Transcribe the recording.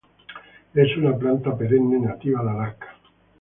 Es una planta perenne nativa de Alaska.